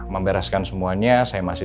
membereskan semuanya saya masih